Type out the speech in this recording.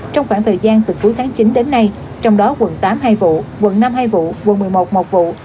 trong khoảng thời gian từ cuối tháng chín đến nay trong đó quận tám hai vụ quận năm hai vụ quận một mươi một một vụ